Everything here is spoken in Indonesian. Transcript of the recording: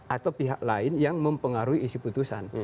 atau pihak lain yang mempengaruhi isi putusan